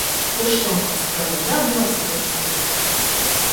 Užtvankos pralaida buvo slenkstinė.